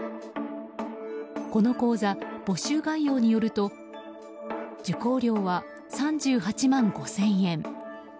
この講座、募集概要によると受講料は３８万５０００円。